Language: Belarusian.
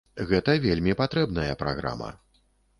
Гэта вельмі патрэбная праграма.